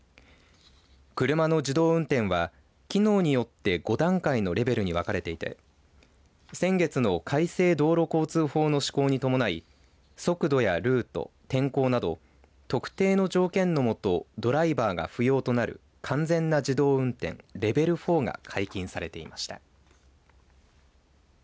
車の自動運転は機能によって５段階のレベルに分かれていて先月の改正道路交通法の施行に伴い速度やルート、天候など特定の条件の下ドライバーが不要となる完全な自動運転レベル４が解禁されていました。